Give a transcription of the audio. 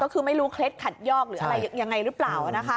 ก็คือไม่รู้เคล็ดขัดยอกหรืออะไรยังไงหรือเปล่า